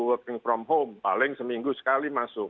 working from home paling seminggu sekali masuk